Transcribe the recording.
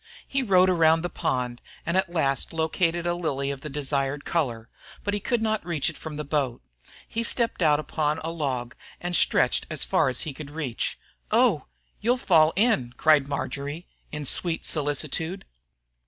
He rowed around the pond, and at last located a lily of the desired color, but could not reach it from the boat. He stepped out upon a log and stretched as far as he could reach. "Oh! You'll fall in!" cried Marjory, in sweet solicitude.